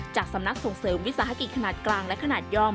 จากสำนักส่งเสริมวิสาหกิจขนาดกลางและขนาดย่อม